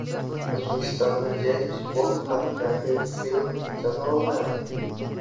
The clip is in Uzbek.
O‘zbekistonda Jeyms Bond haqidagi film qachon olinadi?